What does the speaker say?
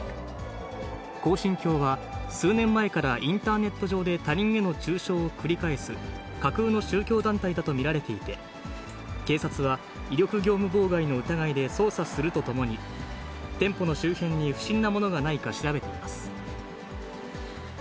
恒心教は、数年前からインターネット上で他人への中傷を繰り返す架空の宗教団体だと見られていて、警察は威力業務妨害の疑いで捜査するとともに、店舗の周辺に不審なものがないか調べています。